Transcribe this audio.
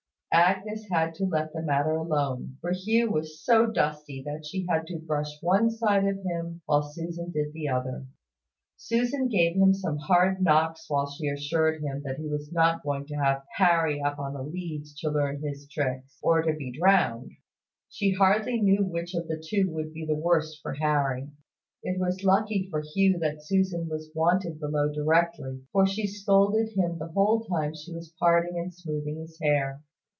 Agnes had to let the matter alone; for Hugh was so dusty that she had to brush one side of him while Susan did the other. Susan gave him some hard knocks while she assured him that he was not going to have Harry up on the leads to learn his tricks, or to be drowned. She hardly knew which of the two would be the worst for Harry. It was lucky for Hugh that Susan was wanted below directly, for she scolded him the whole time she was parting and smoothing his hair.